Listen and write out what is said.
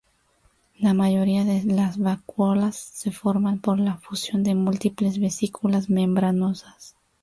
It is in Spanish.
La mayoría de las vacuolas se forman por la fusión de múltiples vesículas membranosas.